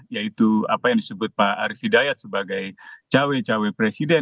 yaitu apa yang disebut pak arief hidayat sebagai cawe cawe presiden